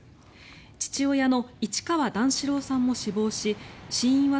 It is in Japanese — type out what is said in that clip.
父親の市川段四郎さんも死亡し死因は